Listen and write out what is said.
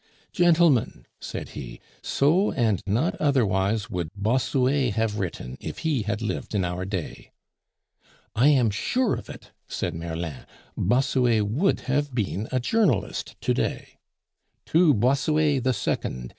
"Gentlemen," said he, "so and not otherwise would Bossuet have written if he had lived in our day." "I am sure of it," said Merlin. "Bossuet would have been a journalist to day." "To Bossuet the Second!"